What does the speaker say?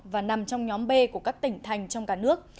và nằm trong nhóm b của các tỉnh thành trong cả nước